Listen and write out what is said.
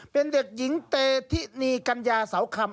เป็นเด็กหญิงเตธินีกัญญาเสาคำ